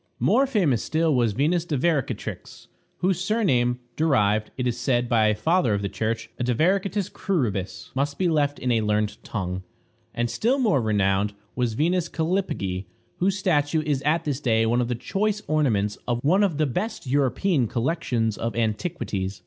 More famous still was Venus Divaricatrix, whose surname, derived, it is said by a father of the Church, a divaricatis cruribus, must be left in a learned tongue. And still more renowned was Venus Callipyge, whose statue is at this day one of the choice ornaments of one of the best European collections of antiquities.